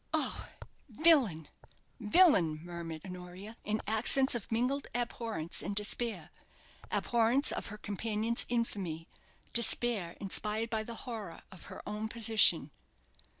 "Oh, villain! villain!" murmured Honoria, in accents of mingled abhorrence and despair abhorrence of her companion's infamy, despair inspired by the horror of her own position.